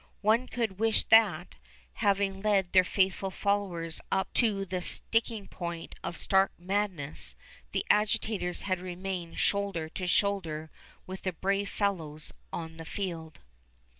One could wish that, having led their faithful followers up to the sticking point of stark madness, the agitators had remained shoulder to shoulder with the brave fellows on the field.